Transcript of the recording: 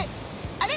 あれ？